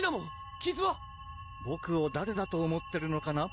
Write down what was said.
傷は⁉ボクを誰だと思ってるのかな？